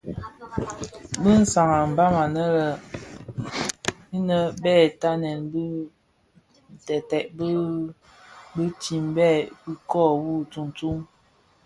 Bi sans an a mbam anèn innë bè tatnèn bi teted bi bitimbè ikoo wu tsuňtsuň.